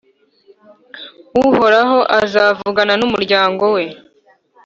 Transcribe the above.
Uhoraho azavugana n’umuryango we.